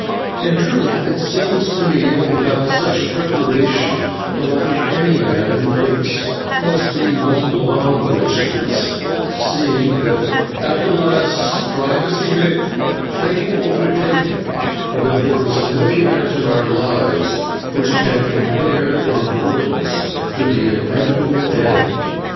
In truth it seems to me that without such preparation the life of any man who thinks must be one long wretchedness, seeing that at the last, strive as he may, fate will overtake him, and that there is no event in our lives which can compare in importance with the inevitable end.